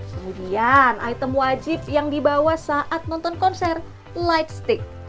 kemudian item wajib yang dibawa saat nonton konser light stick